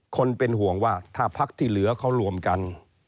คนเป็นห่วงว่าถ้าพักที่เหลือเขารวมกัน